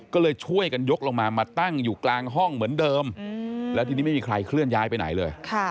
ก็เลยช่วยกันยกลงมามาตั้งอยู่กลางห้องเหมือนเดิมแล้วทีนี้ไม่มีใครเคลื่อนย้ายไปไหนเลย